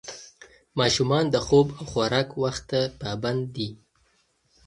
ماشومان د خوب او خوراک وخت ته پابند دي.